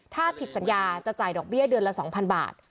ถ้าผิดสัญญาจะจ่ายดอกเบี้ยเดือนละ๒๐๐บาท